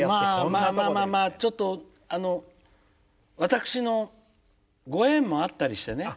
まあまあまあちょっとあの私のご縁もあったりしてね